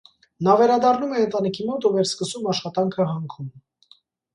Նա վերադառնում է ընտանիքի մոտ ու վերսկսում աշխատանքը հանքում։